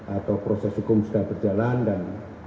atau proses hukum sudah berjalan dan